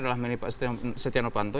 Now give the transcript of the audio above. adalah meni pak setiano panto